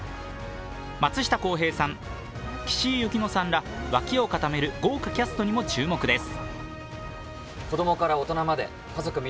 松下洸平さん、岸井ゆきのさんら脇を固める豪華キャストにも注目です。